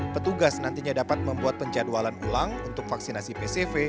petugas nantinya dapat membuat penjadwalan ulang untuk vaksinasi pcv